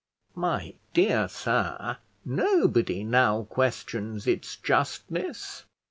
"My dear sir, nobody now questions its justness."